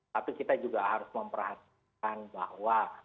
tapi kita juga harus memperhatikan bahwa